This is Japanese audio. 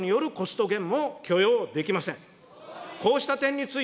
強制労働によるコスト減も許容できません。